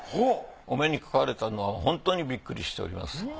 お目にかかれたのは本当にビックリしております。